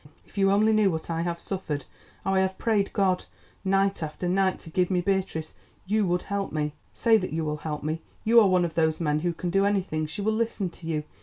If you only knew what I have suffered, how I have prayed God night after night to give me Beatrice, you would help me. Say that you will help me! You are one of those men who can do anything; she will listen to you.